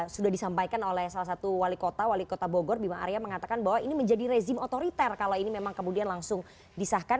sudah disampaikan oleh salah satu wali kota wali kota bogor bima arya mengatakan bahwa ini menjadi rezim otoriter kalau ini memang kemudian langsung disahkan